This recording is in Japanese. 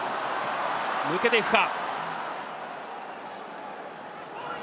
抜けていくか？